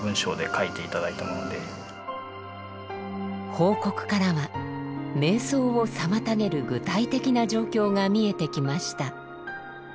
報告からは瞑想を妨げる具体的な状況が見えてきました。